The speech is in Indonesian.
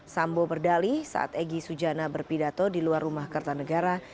sambo berdali saat egy sujana berpidato di luar rumah kertanegara